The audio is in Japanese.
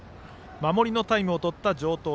守りのタイムを取った城東。